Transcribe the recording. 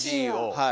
はい。